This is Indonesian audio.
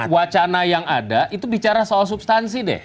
wacana yang ada itu bicara soal substansi deh